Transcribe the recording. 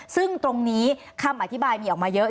ซึ่งตรงนี้คำอธิบายมีออกมาเยอะ